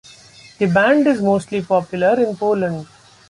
The band is mostly popular in Poland.